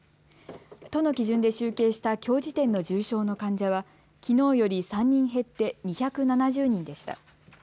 都の基準で集計したきょう時点の重症の患者はきのうより３人減って２７０人でした。